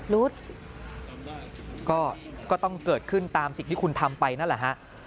รุษก็ต้องเกิดขึ้นตามสิ่งที่คุณทำไปนะฮะ